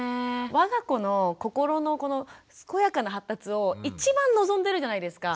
我が子の心のこの健やかな発達を一番望んでるじゃないですか。